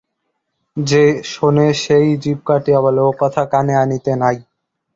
যে শোনে সেই জিভ কাটিয়া বলে, ওকথা কানে আনিতে নাই।